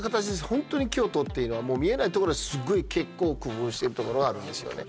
ホントに京都っていうのは見えないとこですごい結構工夫してるところあるんですよね